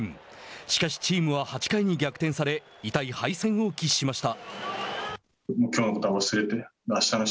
しかし、チームは８回に逆転され痛い敗戦を喫しました。